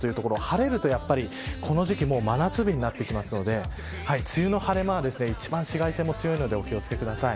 晴れると、この時期もう真夏日になってくるので梅雨の晴れ間は一番紫外線も強いのでお気を付けください。